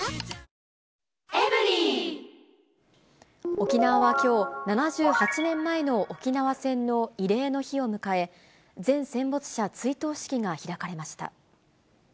沖縄はきょう、７８年前の沖縄戦の慰霊の日を迎え、全戦没者追悼式が開かれました。